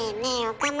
岡村。